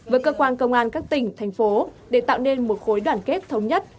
với cơ quan công an các tỉnh thành phố để tạo nên một khối đoàn kết thống nhất